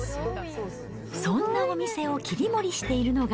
そんなお店を切り盛りしているのが。